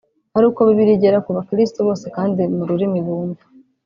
ari uko Bibiliya igera ku bakirisitu bose kandi mu rurimi bumva